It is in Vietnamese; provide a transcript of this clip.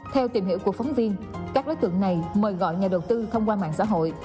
theo tìm hiểu của phóng viên các đối tượng này mời gọi nhà đầu tư thông qua mạng xã hội